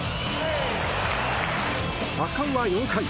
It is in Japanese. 圧巻は４回。